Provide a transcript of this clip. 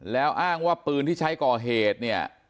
แล้วอ้างว่าปืนที่ใช้ก่อเหตุเนี่ย